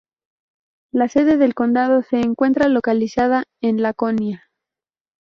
La sede del condado se encuentra localizada en Laconia.